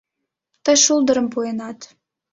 Тый шулдырым пуэнат